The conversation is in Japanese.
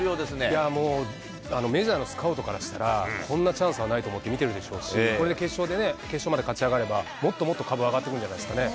いやー、もう、メジャーのスカウトからしたら、こんなチャンスはないと思って見てるでしょうし、これで決勝まで勝ち上がれば、もっともっと株上がってくるんじゃないですかね。